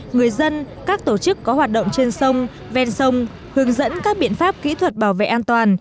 người dân các tổ chức có hoạt động trên sông ven sông hướng dẫn các biện pháp kỹ thuật bảo vệ an toàn